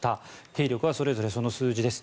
兵力はそれぞれその数字です。